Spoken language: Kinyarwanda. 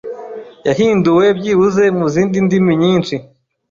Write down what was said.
yahinduwe byibuze mu zindi ndimi nyinshi